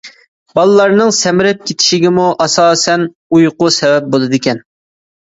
بالىلارنىڭ سەمرىپ كېتىشىگىمۇ، ئاساسەن، ئۇيقۇ سەۋەب بولىدىكەن.